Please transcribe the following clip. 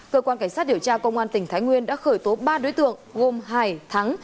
cơ quan cảnh sát điều tra công an tỉnh thái nguyên đã khởi tố ba đối tượng gồm hải thắng